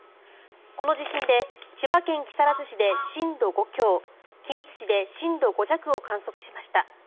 この地震で千葉県木更津市で震度５強君津市で震度５弱を観測しました。